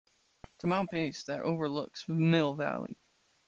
Tamalpais that overlooks Mill Valley.